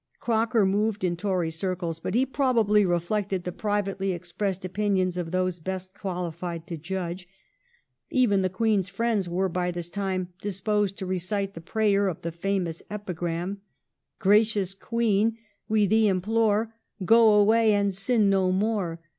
^ Croker moved in Tory circles, but he probably reflected the privately expressed opinions of those best qualified to judge. Even the Queen's friends were by this time disposed to recite the prayer of the famous epigram :— Gracious Queen, we thee implore Go away, and sin no more.